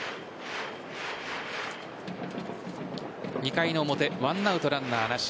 ２回の表、１アウトランナーなし。